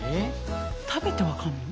食べて分かるの？